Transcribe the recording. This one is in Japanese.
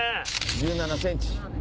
１７ｃｍ！